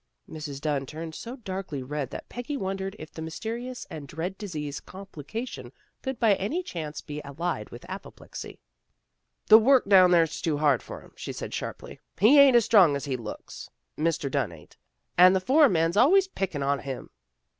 Mrs. Dunn turned so darkly red that Peggy wondered if the mysterious and dread disease " complication " could by any chance be allied to apoplexy. " The work down there's too hard for him," she said sharply. " He ain't as strong as he looks, Mr. Dunn ain't. And the foreman's always picking on him."